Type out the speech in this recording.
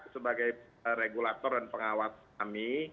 sebagai regulator dan pengawas kami